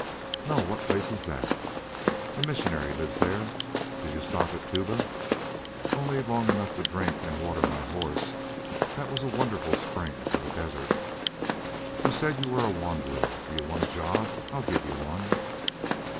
"No. What place is that?" "A missionary lives there. Did you stop at Tuba?" "Only long enough to drink and water my horse. That was a wonderful spring for the desert." "You said you were a wanderer.... Do you want a job? I'll give you one."